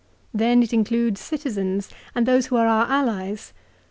Then it includes citizens and those who are our allies.